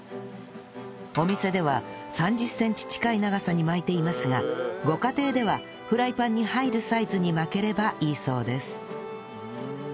お店では３０センチ近い長さに巻いていますがご家庭ではフライパンに入るサイズに巻ければいいそうです